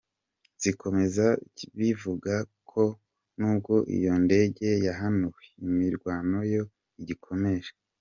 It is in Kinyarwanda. zikomeza bivuga ko nubwo iyo ndege yahanuwe ,imirwano yo igikomeje.